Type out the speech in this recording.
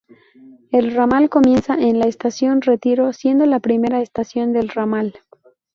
El ramal comienza en la estación Retiro, siendo la primera estación del ramal.